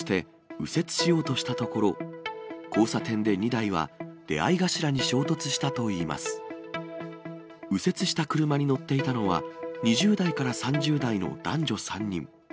右折した車に乗っていたのは、２０代から３０代の男女３人。